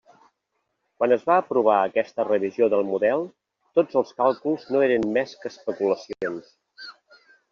Quan es va aprovar aquesta revisió del model tots els càlculs no eren més que especulacions.